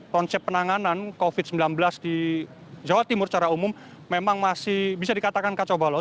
konsep penanganan covid sembilan belas di jawa timur secara umum memang masih bisa dikatakan kacau balot